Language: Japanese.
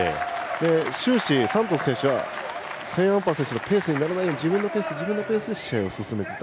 終始、サントス選手はセーンアンパー選手のペースにならないように自分のペースで試合を進めていた。